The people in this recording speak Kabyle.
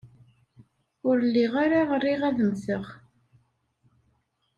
Ur lliɣ ara riɣ ad mmteɣ.